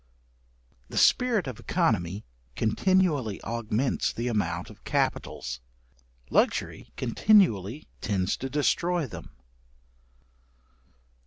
§81. The spirit of œconomy continually augments the amount of capitals, luxury continually tends to destroy them.